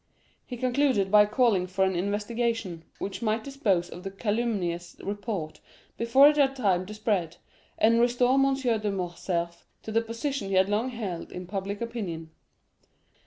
He concluded by calling for an investigation, which might dispose of the calumnious report before it had time to spread, and restore M. de Morcerf to the position he had long held in public opinion.